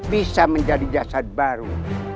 bisa menjadi jasad baru